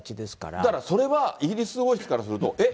だから、それはイギリス王室からすると、えっ？